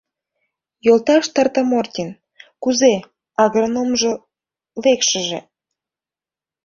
— Йолташ Тортамортин, кузе... агрономжо, лекшыже...